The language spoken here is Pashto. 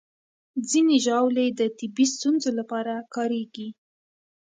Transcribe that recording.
ځینې ژاولې د طبي ستونزو لپاره کارېږي.